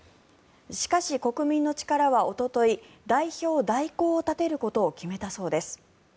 しかし、国民の力はおととい代表代行を立てることを決めたそうです。